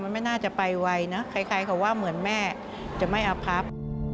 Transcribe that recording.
มันไม่น่าจะไปไวนะใครเขาว่าเหมือนแม่จะไม่อพับ